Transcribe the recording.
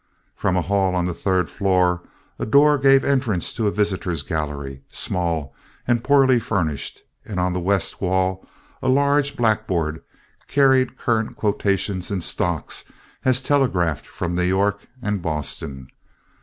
From a hall on the third floor a door gave entrance to a visitor's gallery, small and poorly furnished; and on the west wall a large blackboard carried current quotations in stocks as telegraphed from New York and Boston.